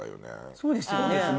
そうですよね。